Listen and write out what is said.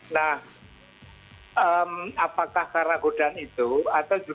nah apakah karena godaan itu